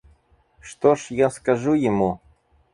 Что ж я скажу ему?